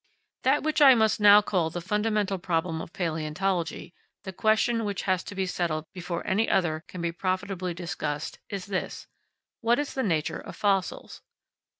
That which I just now called the fundamental problem of palaeontology, the question which has to be settled before any other can be profitably discussed, is this, What is the nature of fossils?